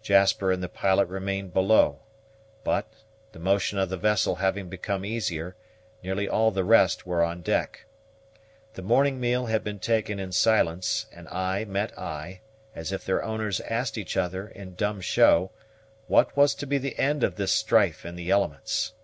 Jasper and the pilot remained below; but, the motion of the vessel having become easier, nearly all the rest were on deck. The morning meal had been taken in silence, and eye met eye, as if their owners asked each other, in dumb show, what was to be the end of this strife in the elements.